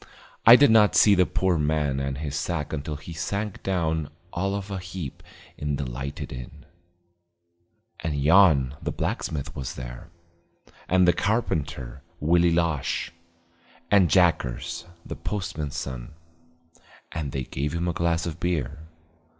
I did not see the poor old man and his sack until he sank down all of a heap in the lighted inn. And Yon the blacksmith was there; and the carpenter, Willie Losh; and Jackers, the postman's son. And they gave him a glass of beer.